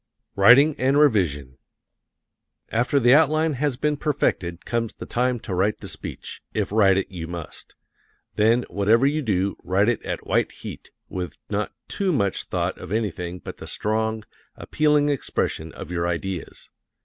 Writing and Revision After the outline has been perfected comes the time to write the speech, if write it you must. Then, whatever you do, write it at white heat, with not too much thought of anything but the strong, appealing expression of your ideas.